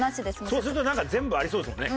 そうするとなんか全部ありそうですもんね。